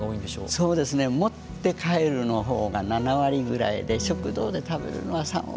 そうですね持って帰るのほうが７割ぐらいで食堂で食べるのは３割ぐらいですしね。